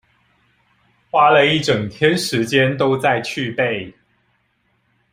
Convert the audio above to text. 花了一整天時間都在去背